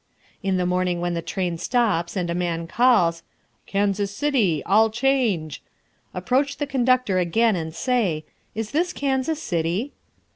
In the morning when the train stops and a man calls, "Kansas City! All change!" approach the conductor again and say, "Is this Kansas City?"